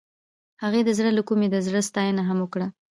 هغې د زړه له کومې د زړه ستاینه هم وکړه.